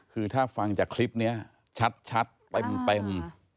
คือถ้าฟังจากคลิปนี้ชัดเต็ม